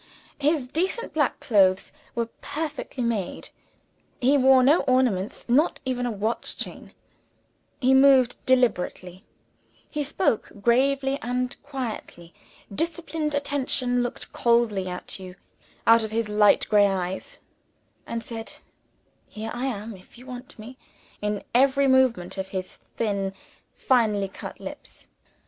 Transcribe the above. His decent black clothes were perfectly made; he wore no ornaments, not even a watch chain; he moved deliberately, he spoke gravely and quietly; disciplined attention looked coldly at you out of his light grey eyes; and said, Here I am if you want me, in every movement of his thin finely cut lips.